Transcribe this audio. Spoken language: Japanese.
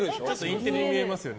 インテリに見えますよね。